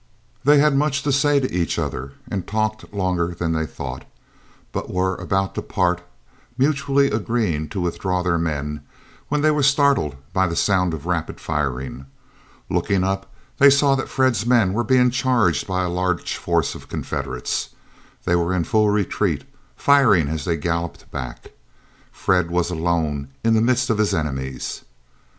They had much to say to each other, and talked longer than they thought, but were about to part, mutually agreeing to withdraw their men, when they were startled by the sound of rapid firing. Looking up they saw that Fred's men were being charged by a large force of Confederates. They were in full retreat, firing as they galloped back. Fred was alone in the midst of his enemies.